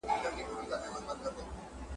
امان الله خان د عصري زده کړو پلوی وو.